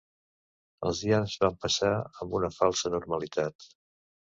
Els dies van passar amb una falsa normalitat.